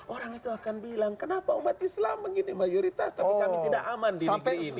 orang itu akan bilang kenapa umat islam begini mayoritas tapi kami tidak aman di dpr